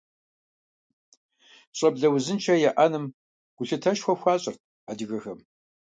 ЩӀэблэ узыншэ яӀэным гулъытэшхуэ хуащӀырт адыгэхэм.